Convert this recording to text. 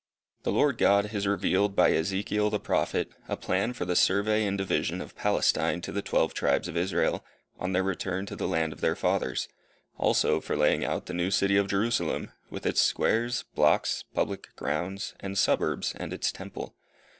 The Lord God has revealed by Ezekiel the Prophet, a plan for the survey and division of Palestine to the Twelve Tribes of Israel, on their return to the land of their fathers; also for laying out the new city of Jerusalem, with its squares, blocks, public grounds, and suburbs, and its temple.